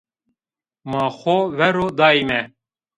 Ma xo ver ro danîme